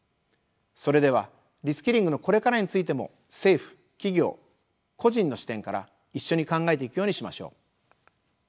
それではリスキリングのこれからについても政府・企業・個人の視点から一緒に考えていくようにしましょう。